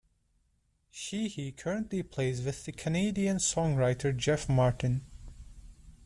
Sheehy currently plays with the Canadian songwriter Jeff Martin.